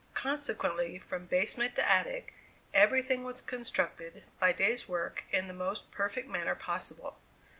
Consequently, from basement to attic, everything was constructed, by days' work, in the most perfect manner possible.